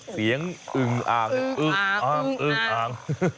เสียงอึ้งอ้างอึ้งอ้าง